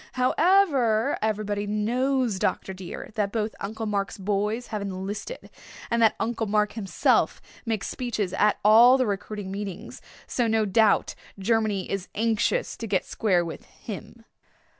However, everybody knows, Dr. dear, that both Uncle Mark's boys have enlisted, and that Uncle Mark himself makes speeches at all the recruiting meetings. So no doubt Germany is anxious to get square with him."